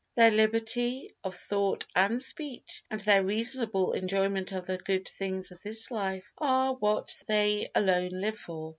Their liberty of thought and speech and their reasonable enjoyment of the good things of this life are what they alone live for.